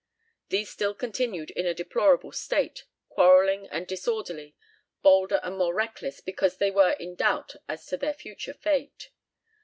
These still continued in a deplorable state, quarrelling and disorderly, bolder and more reckless because they were in doubt as to their future fate.